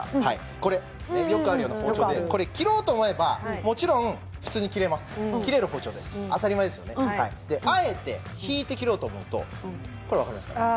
これよくあるような包丁でこれ切ろうと思えばもちろん普通に切れます切れる包丁です当たり前ですよねであえて引いて切ろうと思うとこれ分かりますかね？